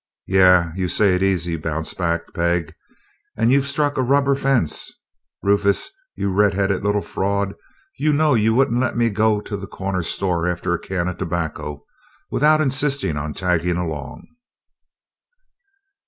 "Yeah? You say it easy. Bounce back, Peg, you've struck a rubber fence! Rufus, you red headed little fraud, you know you wouldn't let me go to the corner store after a can of tobacco without insisting on tagging along!"